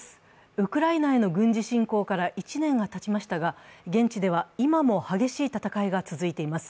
ウクライナへの軍事侵攻から１年がたちましたが、現地では今も激しい戦いが続いています。